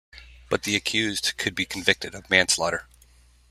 But the accused could be convicted of manslaughter.